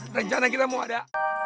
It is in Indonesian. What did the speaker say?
rencana kita mau ada